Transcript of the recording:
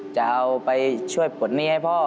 จะเอาไปช่วยปลดหนี้ให้พ่อ